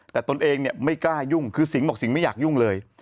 แต่ตนเองเนี่ยไม่กล้ายุ่งคือสิงห์บอกสิงห์ไม่อยากยุ่งเลย